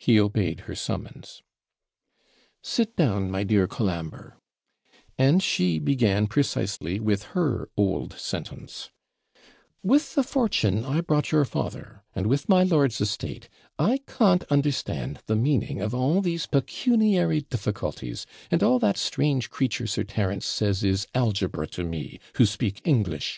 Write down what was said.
He obeyed her summons. 'Sit down, my dear Colambre ' And she began precisely with her old sentence 'With the fortune I brought your father, and with my lord's estate, I CAWNT understand the meaning of all these pecuniary difficulties; and all that strange creature Sir Terence says is algebra to me, who speak English.